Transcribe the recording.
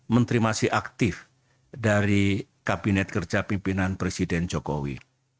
menteri masih aktif dari kabinet kerja pimpinan presiden jokowi